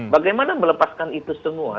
bagaimana melepaskan itu semua